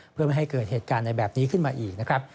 เพื่อไม่ให้เกิดเหตุการณ์ในแบบนี้ขึ้นมาอีกนะครับ